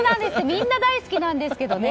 みんな大好きなんですけどね。